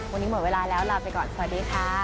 วันนี้หมดเวลาแล้วลาไปก่อนสวัสดีค่ะ